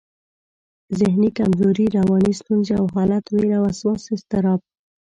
ذهني کمزوري، رواني ستونزې او حالت، وېره، وسواس، اضطراب